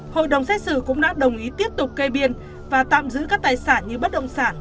hội đồng xét xử cũng đã đồng ý tiếp tục kê biên và tạm giữ các tài sản như bất động sản